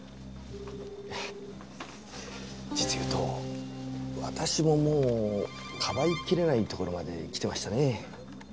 実を言うと私ももうかばいきれないところまできてましてね。